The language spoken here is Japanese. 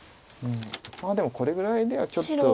でもこれぐらいではちょっと。